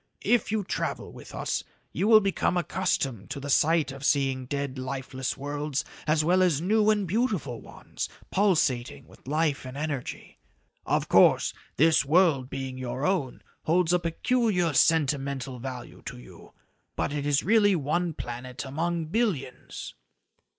If you travel with us, you will become accustomed to the sight of seeing dead, lifeless worlds as well as new and beautiful ones pulsating with life and energy. Of course, this world being your own, holds a peculiar sentimental value to you, but it is really one planet among billions."